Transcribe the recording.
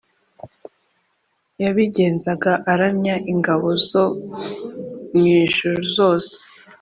yabigenzaga aramya ingabo zo mu ijuru zose